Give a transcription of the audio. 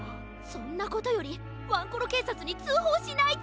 そんなことよりワンコロけいさつにつうほうしないと！